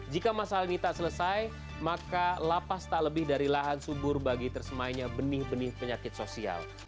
jika masalah ini tak selesai maka lapas tak lebih dari lahan subur bagi tersemainya benih benih penyakit sosial